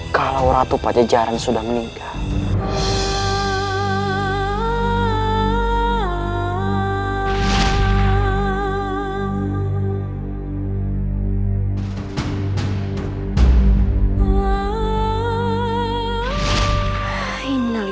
kalau ratu pada jaran sudah meninggal